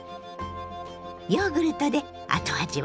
ヨーグルトで後味はさっぱり。